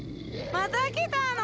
また来たの？